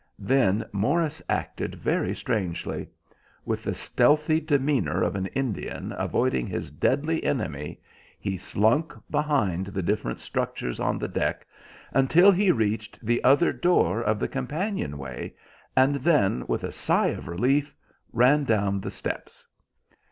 Then Morris acted very strangely. With the stealthy demeanour of an Indian avoiding his deadly enemy, he slunk behind the different structures on the deck until he reached the other door of the companion way, and then, with a sigh of relief, ran down the steps.